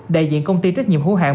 đại diện công ty trách nhiệm hữu hạng